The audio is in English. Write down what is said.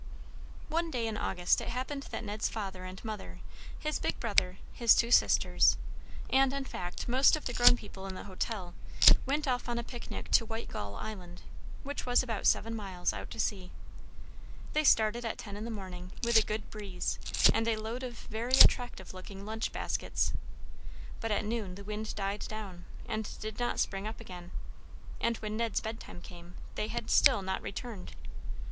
One day in August it happened that Ned's father and mother, his big brother, his two sisters, and, in fact, most of the grown people in the hotel, went off on a picnic to White Gull Island, which was about seven miles out to sea. They started at ten in the morning, with a good breeze, and a load of very attractive looking lunch baskets; but at noon the wind died down, and did not spring up again, and when Ned's bedtime came, they had still not returned.